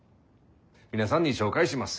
皆さんに紹介します。